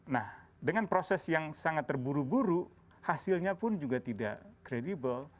nah dengan proses yang sangat terburu buru hasilnya pun juga tidak kredibel